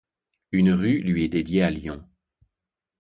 Une rue lui est dédiée à Lyon.